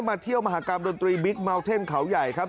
มาเที่ยวมหากรรมดนตรีบิ๊กเมาเท่นเขาใหญ่ครับ